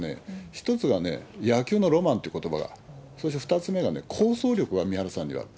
一つは野球のロマンということばが、そして２つ目が、構想力がみはらさんにはある。